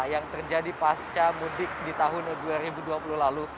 yang terjadi pasca mudik di tahun dua ribu dua puluh lalu